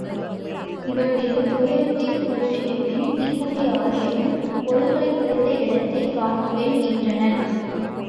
இவளுடைய துயரத்தைத் தேற்றிய பின், தீப்புகை ஆறியதும் பொருள்களைப் புதைத்த இடத்தைக் காட்டுவேன் என்றனன்.